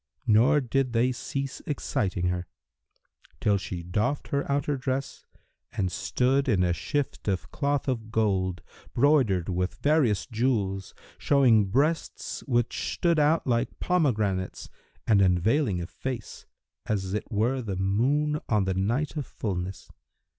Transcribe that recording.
Nor did they cease exciting her, till she doffed her outer dress and stood in a shift of cloth of gold,[FN#325] broidered with various jewels, showing breasts which stood out like pomegranates and unveiling a face as it were the moon on the night of fullness.